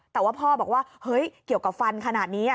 แต่ว่าพ่อบอกว่าเฮ้ยเกี่ยวกับฟันขนาดนี้